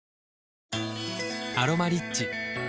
「アロマリッチ」